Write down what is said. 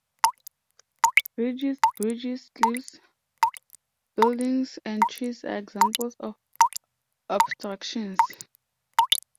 Ridges, bridges, cliffs, buildings, and trees are examples of obstructions.